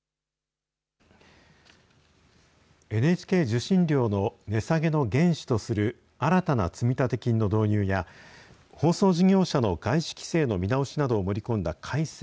ＮＨＫ受信料の値下げの原資とする新たな積立金の導入や、放送事業者の外資規制の見直しなどを盛り込んだ改正